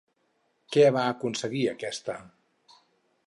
Què va aconseguir aquesta?